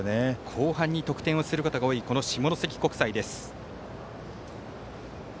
後半に得点をすることが多い下関国際です。